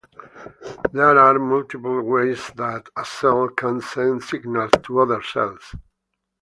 There are multiple ways that a cell can send signals to other cells.